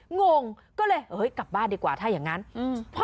งงก็เลยเฮ้ยกลับบ้านดีกว่าถ้าอย่างงั้นอืม